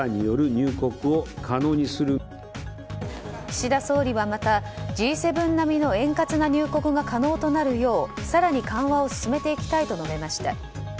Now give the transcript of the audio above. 岸田総理はまた、Ｇ７並みの円滑な入国が可能となるよう更に緩和を進めていきたいと述べました。